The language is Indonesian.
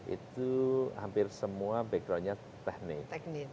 itu hampir semua backgroundnya teknik